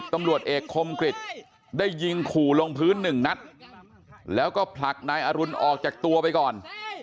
ตำรวจเอกคมกริจได้ยิงขู่ลงพื้นหนึ่งนัดแล้วก็ผลักนายอรุณออกจากตัวไปก่อน